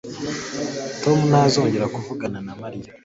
Tom ntazongera kuvugana na Mariya